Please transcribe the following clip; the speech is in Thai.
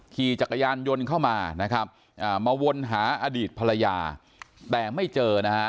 ขี่จักรยานยนต์เข้ามานะครับมาวนหาอดีตภรรยาแต่ไม่เจอนะฮะ